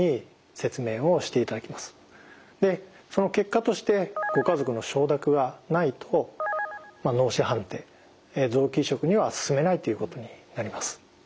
でその結果としてご家族の承諾がないと脳死判定臓器移植には進めないということになります。